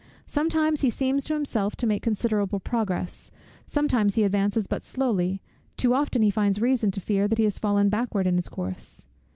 Sometimes he seems to himself to make considerable progress, sometimes he advances but slowly, too often he finds reason to fear that he has fallen backward in his course.